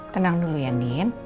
tenang dulu ya nin